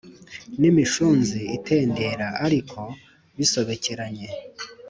n’imishunzi itendera, ariko bisobekeranye